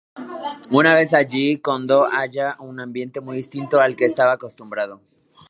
Una vez allí, Kondō halló un ambiente muy distinto al que estaba acostumbrado.